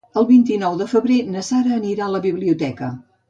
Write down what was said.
El vint-i-nou de febrer na Sara anirà a la biblioteca.